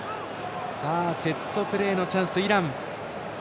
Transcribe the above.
セットプレーのチャンス、イラン。